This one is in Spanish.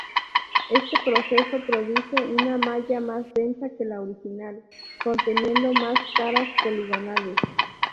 Este proceso produce una malla más densa que la original, conteniendo más caras poligonales.